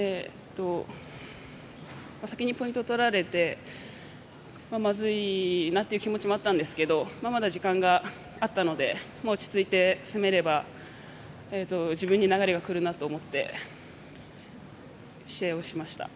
先にポイントを取られてまずいなという気持ちもあったんですがまだ時間があったので落ち着いて攻めれば自分に流れが来るなと思って試合をしました。